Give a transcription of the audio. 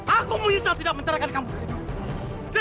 aku menyesal tidak mencerahkan kamu dari dulu